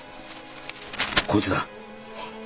こいつだ。